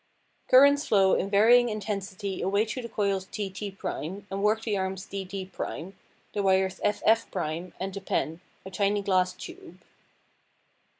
Currents flow in varying intensity away to the coils TT' and work the arms DD', the wires FF', and the pen, a tiny glass tube.